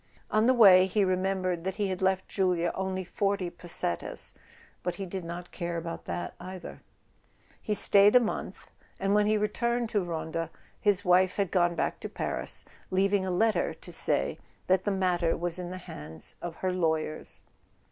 On the way he remembered that he had left Julia only forty pesetas, but he did not care about that either... He stayed a month, and when he returned to Ronda his wife had gone back to Paris, leaving a letter to say that the matter was in the hands of her lawyers.